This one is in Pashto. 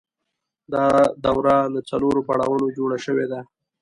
دا دوره له څلورو پړاوونو جوړه شوې ده